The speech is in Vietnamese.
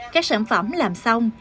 các sản phẩm làm xong